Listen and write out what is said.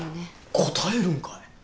答えるんかい。